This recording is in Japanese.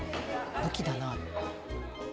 武器だな。